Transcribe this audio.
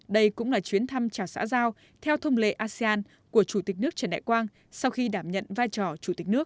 đây cũng là chuyến thăm trà xã giao theo thông lệ asean của chủ tịch nước trần đại quang sau khi đảm nhận vai trò chủ tịch nước